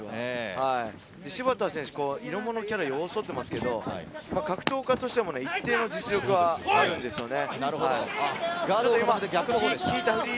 シバター選手、色物キャラを装っていますけど格闘家としても一定の実力はあるんですよね。